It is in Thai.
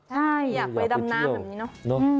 ใช่อยากไปดำน้ำแบบนี้เนอะ